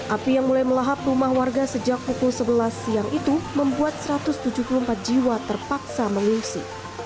api yang mulai melahap rumah warga sejak pukul sebelas siang itu membuat satu ratus tujuh puluh empat jiwa terpaksa mengungsi